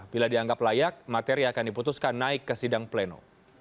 bila dianggap layak materi akan diputuskan naik ke sidang pleno